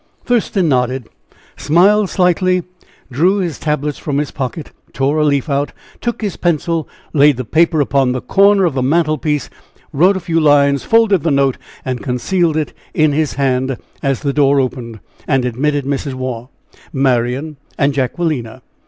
Thurston nodded, smiled slightly, drew his tablets from his pocket, tore a leaf out, took his pencil, laid the paper upon the corner of the mantel piece, wrote a few lines, folded the note, and concealed it in his hand as the door opened, and admitted Mrs. Waugh, Marian and Jacquelina.